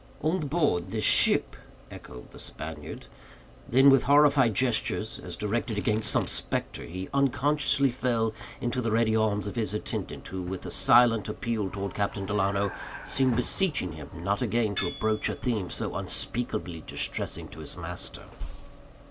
"On board this ship?" echoed the Spaniard. Then, with horrified gestures, as directed against some spectre, he unconsciously fell into the ready arms of his attendant, who, with a silent appeal toward Captain Delano, seemed beseeching him not again to broach a theme so unspeakably distressing to his master.